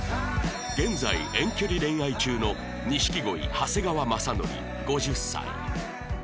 現在遠距離恋愛中の錦鯉長谷川雅紀５０歳